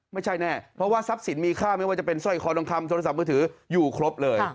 ไม่ใช่แน่เพราะว่าทรัพย์สินมีค่าไม่ว่าจะเป็นสร้อยคอทองคำโทรศัพท์มือถืออยู่ครบเลย